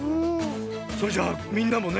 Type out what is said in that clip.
それじゃあみんなもね